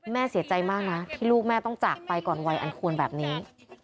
เสียใจมากนะที่ลูกแม่ต้องจากไปก่อนวัยอันควรแบบนี้